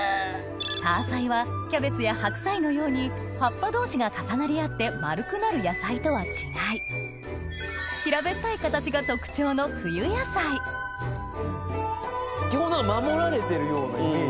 タアサイはキャベツや白菜のように葉っぱ同士が重なり合って丸くなる野菜とは違い平べったい形が特徴の冬野菜野菜って。